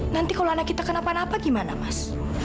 nanti kalau anak kita kenapa napa gimana mas